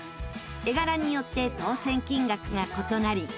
絵柄によって当せん金額が異なり